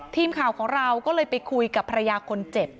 ทีมข่าวของเราก็เลยไปคุยกับภรรยาคนเจ็บ